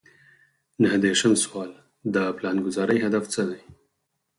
نهه دېرشم سوال د پلانګذارۍ هدف څه دی.